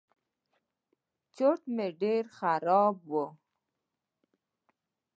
چورت مې ډېر خراب و.